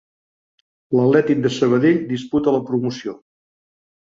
L'Atlètic de Sabadell disputa la promoció.